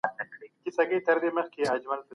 علم او فلسفه بايد په ازاده توګه وڅېړل سي.